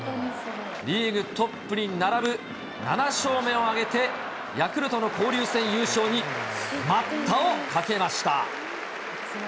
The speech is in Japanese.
リーグトップに並ぶ７勝目を挙げて、ヤクルトの交流戦優勝に待ったをかけました。